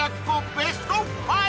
ベスト５！